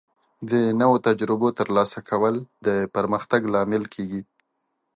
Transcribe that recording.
د نوو تجربو ترلاسه کول د پرمختګ لامل کیږي.